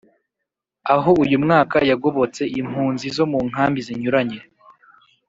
aho uyu mwaka yagobotse impunzi zo mu nkambi zinyuranye